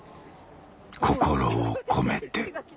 「心をこめて」